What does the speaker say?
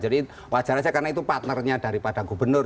jadi wajar aja karena itu partnernya daripada gubernur